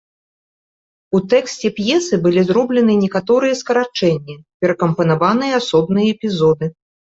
У тэксце п'есы былі зроблены некаторыя скарачэнні, перакампанаваныя асобныя эпізоды.